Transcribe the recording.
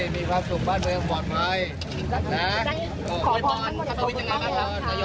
มีความสุขบ้านเมืองปลอดภัยนะ